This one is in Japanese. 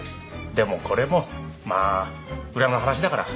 でもこれもまあ裏の話だから。